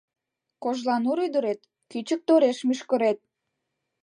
Кожланур ӱдырет — кӱчык тореш мӱшкырет